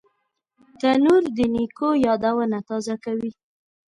تنور د نیکو یادونه تازه کوي